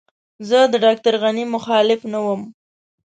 زه د ډاکټر غني مخالف نه وم.